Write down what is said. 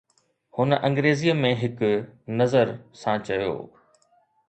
هن انگريزيءَ ۾ هڪ نظر سان چيو.